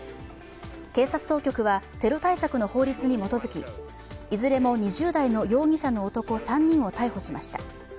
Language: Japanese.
警察当局はテロ対策の法律に基づきいずれも２０代の容疑者の男３人を逮捕しました。